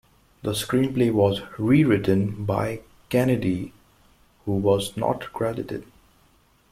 The screenplay was rewritten by Kennedy, who was not credited.